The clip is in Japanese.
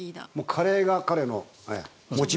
カレーが彼の。